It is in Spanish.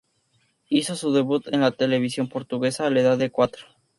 Hizo su debut en la televisión portuguesa a la edad de cuatro.